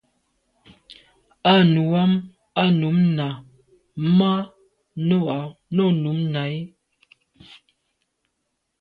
À nu am à num na màa nô num nà i.